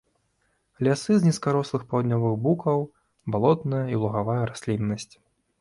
Лясы з нізкарослых паўднёвых букаў, балотная і лугавая расліннасць.